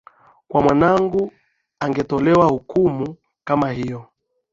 kwa mwanangu angetolewa hukumu kama hiyo